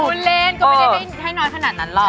พูดเล่นก็ไม่ได้ให้น้อยขนาดนั้นหรอก